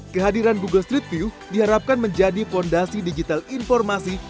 kehadiran google street view diharapkan menjadi fondasi digital informasi